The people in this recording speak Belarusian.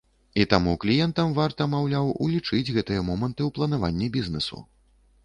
І таму кліентам варта, маўляў, улічыць гэтыя моманты ў планаванні бізнэсу.